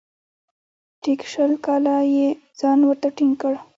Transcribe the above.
ټیک شل کاله یې ځان ورته ټینګ کړ .